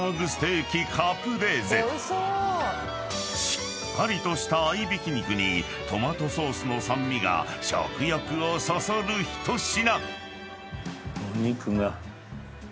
［しっかりとした合いびき肉にトマトソースの酸味が食欲をそそる一品］